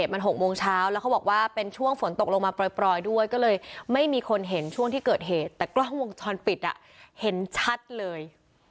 มัน๖โมงเช้าแล้วเขาบอกว่าเป็นช่วงฝนตกลงมาปล่อยด้วยก็เลยไม่มีคนเห็นช่วงที่เกิดเหตุแต่กล้องวงจรปิดเห็นชัดเลย